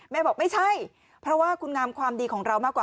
บอกไม่ใช่เพราะว่าคุณงามความดีของเรามากกว่า